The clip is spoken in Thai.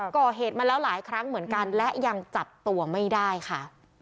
ก่อเหตุมาแล้วหลายครั้งเหมือนกันและยังจับตัวไม่ได้ค่ะ